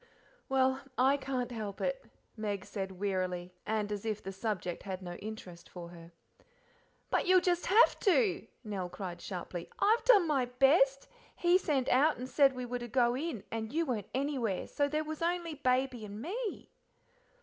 "Well, I can't help it," Meg said wearily, and as if the subject had no interest for her. "But you'll just have to!" Nell cried sharply, "I've done my best: he sent out and said we were to go in, and you weren't anywhere, so there was only Baby and me."